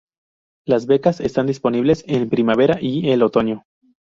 Las becas están disponibles en primavera y el otoño.